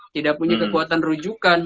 tidak punya kekuatan rujukan